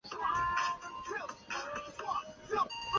据潘石屹在微博上曾经自述大伯潘钟麟是掉进黄河。